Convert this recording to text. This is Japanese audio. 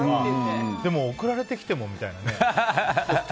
でも送られてきてもみたいなね。